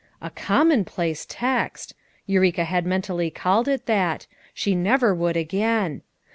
A " common place text!" Eureka had mentally called it that— she never could again.